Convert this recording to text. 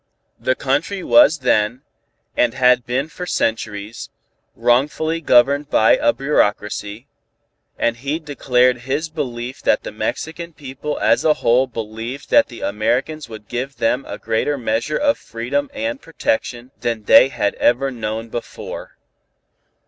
The country was then, and had been for centuries, wrongfully governed by a bureaucracy, and he declared his belief that the Mexican people as a whole believed that the Americans would give them a greater measure of freedom and protection than they had ever known before.